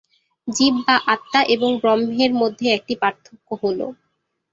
জীব বা আত্মা এবং ব্রহ্মের মধ্যে একটি পার্থক্য হল।